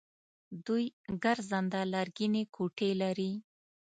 دوی ګرځنده لرګینې کوټې لري.